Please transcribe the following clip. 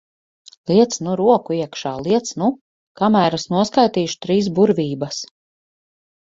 Liec nu roku iekšā, liec nu! Kamēr es noskaitīšu trīs burvības.